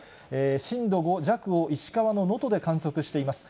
震度５弱を石川の能登で観測しています。